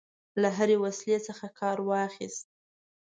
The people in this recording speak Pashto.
له هري وسیلې څخه کارواخیست.